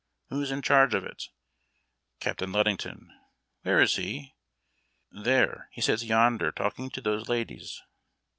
"Who's in charge of it?" "Captain Ludington." " Where is he ?"" There he sits j^onder, talking to those ladies."